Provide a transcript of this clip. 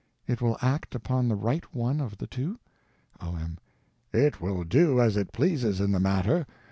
It will act upon the right one of the two? O.M. It will do as it pleases in the matter.